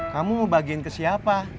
kamu mau bagiin ke siapa